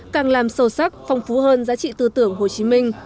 càng làm sâu sắc phong phú hơn giá trị tư tưởng hồ chí minh